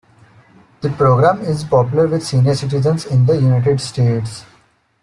The program is popular with senior citizens in the United States.